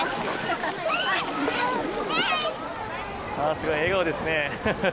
すごい、笑顔ですね。